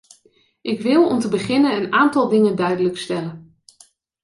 Ik wil om te beginnen een aantal dingen duidelijk stellen.